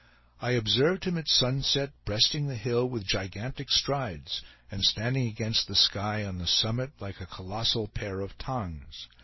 I observed him at sunset, breasting the hill with gigantic strides, and standing against the sky on the summit, like a colossal pair of tongs.